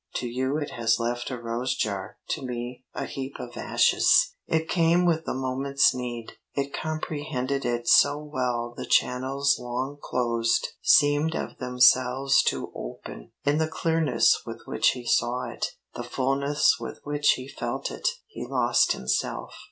To you it has left a rose jar. To me a heap of ashes." It came with the moment's need. It comprehended it so well the channels long closed seemed of themselves to open. In the clearness with which he saw it, the fullness with which he felt it, he lost himself.